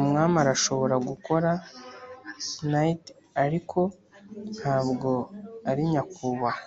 umwami arashobora gukora knight, ariko ntabwo ari nyakubahwa